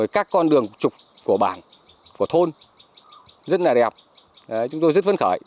các con đường trục của bảng của thôn rất là đẹp chúng tôi rất vấn khởi